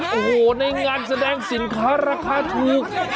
โอ้โหในงานแสดงสินค้าราคาถูก